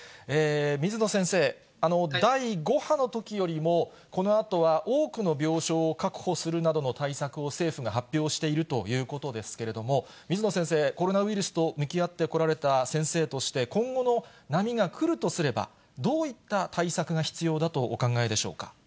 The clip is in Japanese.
水野先生、第５波のときよりも、このあとは多くの病床を確保するなどの対策を、政府が発表しているということですけれども、水野先生、コロナウイルスと向き合ってこられた先生として、今後の波が来るとすれば、どういった対策が必要だとお考えでしょうか。